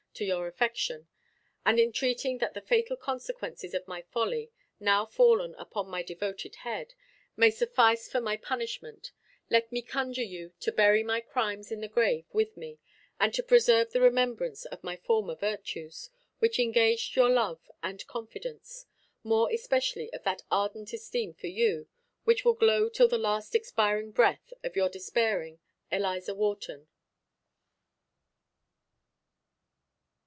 to your affection, and entreating that the fatal consequences of my folly, now fallen upon my devoted head, may suffice for my punishment, let me conjure you to bury my crimes in the grave with me, and to preserve the remembrance of my former virtues, which engaged your love and confidence; more especially of that ardent esteem for you, which will glow till the last expiring breath of your despairing ELIZA WHARTON.